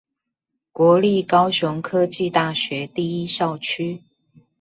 國立高雄科技大學第一校區